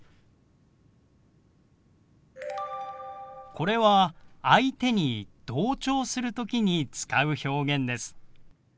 これは相手に同調する時に使う表現です。